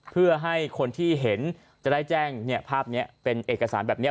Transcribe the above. เพื่อให้คนที่เห็นจะได้แจ้งภาพนี้เป็นเอกสารแบบนี้